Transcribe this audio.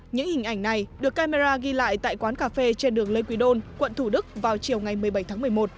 những hình ảnh này được camera ghi lại tại quán cà phê trên đường lê quỳ đôn quận thủ đức vào chiều ngày một mươi bảy tháng một mươi một